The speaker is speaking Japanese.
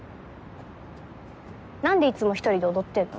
何でいつも一人で踊ってんの？